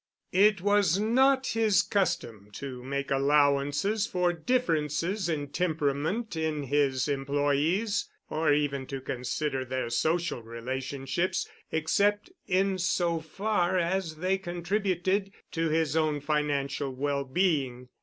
It was not his custom to make allowances for differences in temperament in his employees, or even to consider their social relationships except in so far as they contributed to his own financial well being.